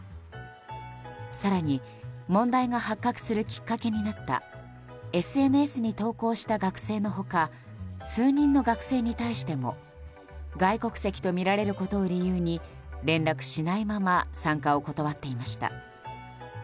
更に、問題が発覚するきっかけになったＳＮＳに投稿した学生の他数人の学生に対しても外国籍とみられることを理由に連絡しないまま参加を断っていました。